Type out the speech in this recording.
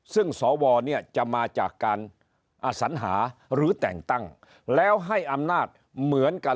ซึ่งสวเนี่ยจะมาจากการอสัญหาหรือแต่งตั้งแล้วให้อำนาจเหมือนกัน